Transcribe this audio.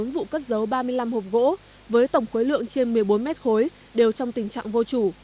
bốn vụ cất dấu ba mươi năm hộp gỗ với tổng khối lượng trên một mươi bốn mét khối đều trong tình trạng vô chủ